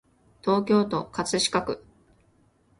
東京都葛飾区